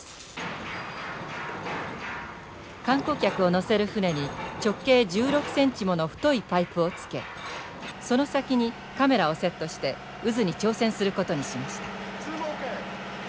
観光客を乗せる船に直径１６ｃｍもの太いパイプをつけその先にカメラをセットして渦に挑戦することにしました。